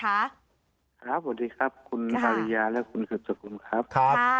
ครับสวัสดีครับคุณภรรยาและคุณกระจกกลุ่มครับ